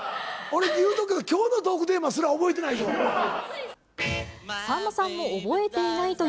俺、言うとくけど、きょうのトークテーマすら覚えてないぞ。